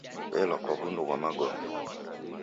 W'elwa kwa w'undu ghwa magome.